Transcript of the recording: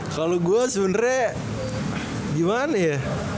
kalau gue sebenarnya gimana ya